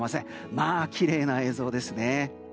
まあ、きれいな映像ですね。